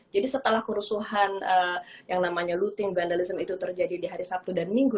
setelah kerusuhan yang namanya looting vandalistion itu terjadi di hari sabtu dan minggu